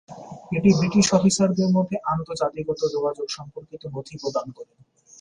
এটি ব্রিটিশ অফিসারদের মধ্যে আন্ত-জাতিগত যোগাযোগ সম্পর্কিত নথি প্রদান করে।